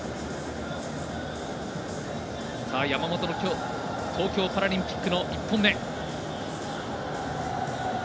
山本の東京パラリンピックの一本目。